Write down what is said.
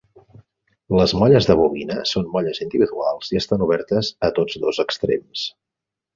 Les molles de bobina són molles individuals i estan obertes a tots dos extrems.